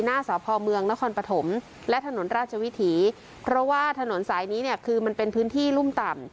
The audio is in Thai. สพเมืองนครปฐมและถนนราชวิถีเพราะว่าถนนสายนี้เนี่ยคือมันเป็นพื้นที่รุ่มต่ำ